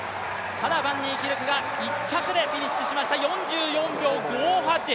ただバンニーキルクが１着でフィニッシュしました、４４秒５８。